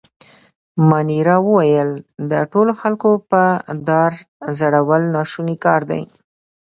مانیرا وویل: د ټولو خلکو په دار ځړول ناشونی کار دی.